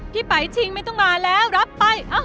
ไปชิงไม่ต้องมาแล้วรับไป